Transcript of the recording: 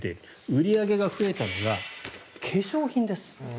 売り上げが増えたのが化粧品です。